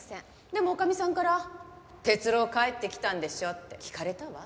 でも女将さんから哲郎帰ってきたんでしょ？って聞かれたわ。